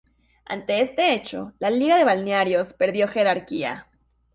Ante este hecho la Liga de Balnearios perdió jerarquía.